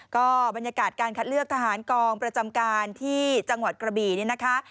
ก็บรรยากาศการคัดเลือกทหารกองประจำการที่จังหวัดกระบี่เนี่ยนะคะ